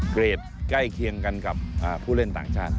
จะสามารถเล่นได้เกลียดใกล้เคียงกันกับผู้เล่นต่างชาติ